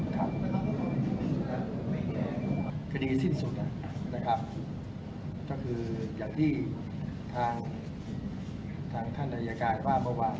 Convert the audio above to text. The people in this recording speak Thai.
ครับเกี่ยวดีสิ้นสุดนะครับเพราะคืออย่างที่ทางท่านตรายกายว่าบาง